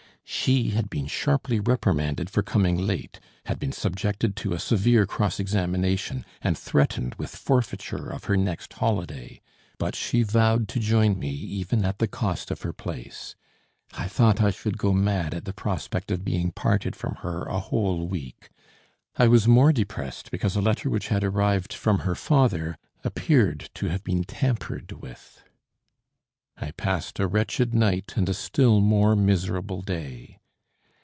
She had been sharply reprimanded for coming late; had been subjected to a severe cross examination, and threatened with forfeiture of her next holiday. But she vowed to join me even at the cost of her place. I thought I should go mad at the prospect of being parted from her a whole week. I was more depressed because a letter which had arrived from her father appeared to have been tampered with. I passed a wretched night and a still more miserable day.